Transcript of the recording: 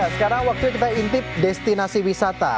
sekarang waktunya kita intip destinasi wisata